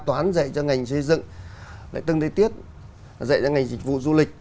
toán dạy cho ngành xây dựng